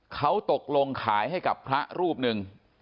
เขาตกลงขายให้กับพระรูปหนึ่ง